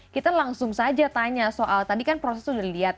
kita langsung saja tanya soal tadi kan proses sudah lihat